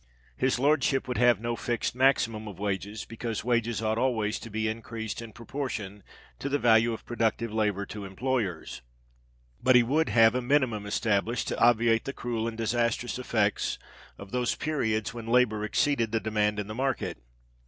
His lordship would have no fixed maximum of wages, because wages ought always to be increased in proportion to the value of productive labour to employers: but he would have a minimum established, to obviate the cruel and disastrous effects of those periods when labour exceeded the demand in the market.